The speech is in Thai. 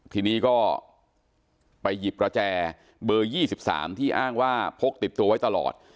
ทีนี้ก็ไปหยิบประแจเบอร์๒๓ที่อ้างว่าพกติดตัวไว้ตลอด